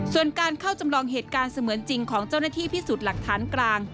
ส่วนการเข้าจำลองเหตุการณ์เสมือนจริงของเจ้าหน้าที่พิสูจน์หลักฐานกลาง